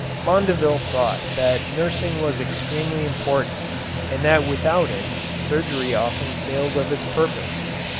Mondeville thought that nursing was extremely important and that without it surgery often failed of its purpose.